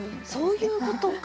そういうことか！